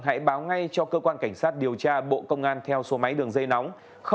hãy báo ngay cho cơ quan cảnh sát điều tra bộ công an theo số máy đường dây nóng